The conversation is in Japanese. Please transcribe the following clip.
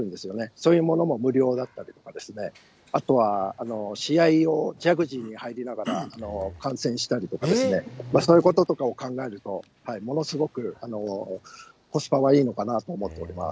そういうものも無料だったりとかですね、あとは試合をジャグジーに入りながら観戦したりとかですね、そういうこととかを考えると、ものすごくコスパはいいのかなと思っております。